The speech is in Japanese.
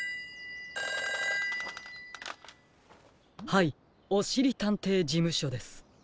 ☎はいおしりたんていじむしょです。